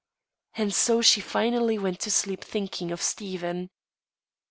And so she finally went to sleep thinking of Stephen.